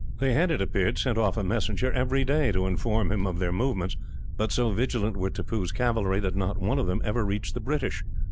They had, it appeared, sent off a messenger, every day, to inform him of their movements; but so vigilant were Tippoo's cavalry, that not one of them ever reached the British.